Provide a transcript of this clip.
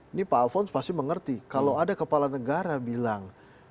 ini pak alfons pasti mengerti kalau ada kepala negara bilang